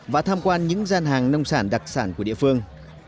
và tham quan những gian hàng nông sản đặc sản của địa phương